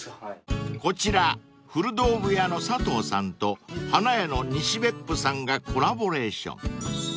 ［こちら古道具屋の佐藤さんと花屋の西別府さんがコラボレーション］